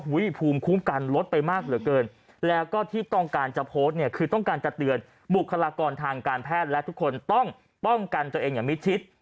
ภูมิคุ้มกันลดไปมากเหลือเกินแล้วก็ที่ต้องการจะโพสต์เนี่ยคือต้องการจะเตือนบุคลากรทางการแพทย์และทุกคนต้องป้องกันตัวเองอย่างมิดชิด